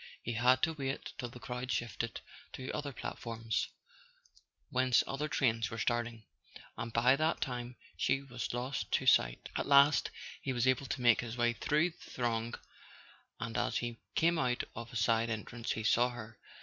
He had to wait till the crowd shifted to other platforms, whence other trains were starting, and by that time she was lost to sight. At last he was able to make his way through the throng, and as he came out of a side entrance he saw her.